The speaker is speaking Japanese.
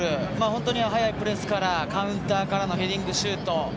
本当に早いプレスからカウンターからのヘディングシュート。